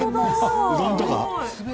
うどんとか。